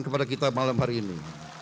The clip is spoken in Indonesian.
kepada kita malam hari ini